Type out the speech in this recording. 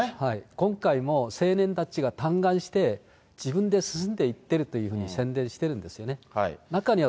今回も青年たちが嘆願して、自分で進んで言ってるというふうに宣伝してるんですよね。